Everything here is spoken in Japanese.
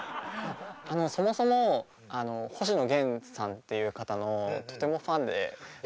そもそも星野源さんっていう方のとてもファンで。